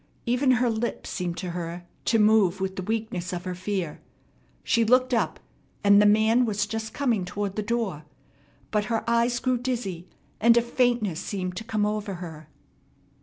Even her lips seemed to her to move with the weakness of her fear. She looked up, and the man was just coming toward the door; but her eyes grew dizzy, and a faintness seemed to come over her.